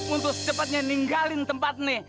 untuk secepatnya ninggalin tempat nih